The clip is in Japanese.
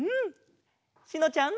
しのちゃん。